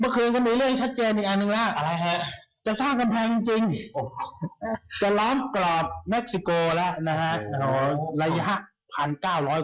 เมื่อคืนก็มีเรื่องชัดเจนอีกอันหนึ่งแล้วจะสร้างกำแพงจริงจะล้อมกรอบเม็กซิโกแล้วนะฮะระยะ๑๙๐๐กว่าไมค์